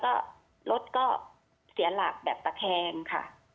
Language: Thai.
ก็รถก็เสียหลักแบบตะแคงค่ะ